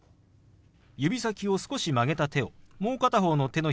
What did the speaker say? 指先を少し曲げた手をもう片方の手のひらにポンと置きます。